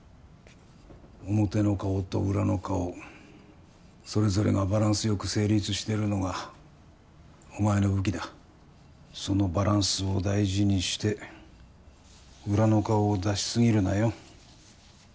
表の顔と裏の顔それぞれがバランスよく成立してるのがお前の武器だそのバランスを大事にして裏の顔を出しすぎるなよ